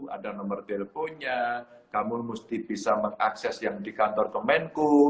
ada nomor teleponnya kamu mesti bisa mengakses yang di kantor kemenku